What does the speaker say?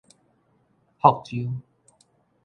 福州